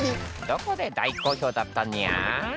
どこで大好評だったにゃー？